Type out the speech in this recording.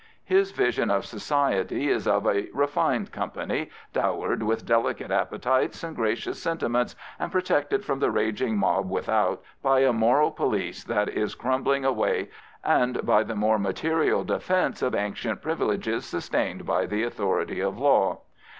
His vision of society is of a refined company, dowered with delicate appetites and gracious senti ments and protected from the raging mob without^ by a moral police that is crumbling away and by the more 3 ^ Prophets, Priests, and Kings material defence of ancient privilege sustained by the authority of law.